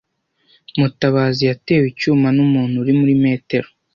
Mutabazi yatewe icyuma n'umuntu uri muri metero.